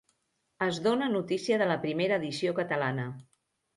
Es dóna notícia de la primera edició catalana.